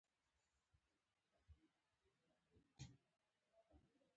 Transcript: بله ورځ د هغه سړي ملګری راغی.